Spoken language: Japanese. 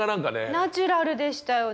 ナチュラルでしたよね。